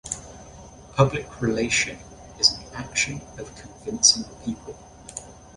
Public relation is an action of convincing people.